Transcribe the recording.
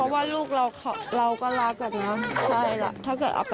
บางทีก็มาอาศัยย่า